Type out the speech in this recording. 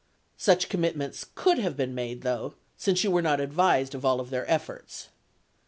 Such commitments could have been made, though, since you were not advised of all of their etforts.